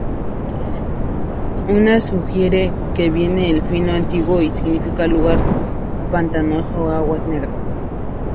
Una sugiere que viene del fino antiguo y significa "lugar pantanoso o aguas negras".